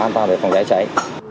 để đảm bảo an toàn về phòng cháy cháy